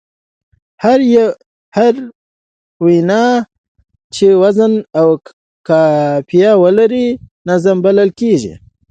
هره وينا چي وزن او قافیه ولري؛ نظم بلل کېږي.